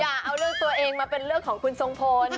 อย่าเอาเรื่องตัวเองมาเป็นเรื่องของคุณทรงพล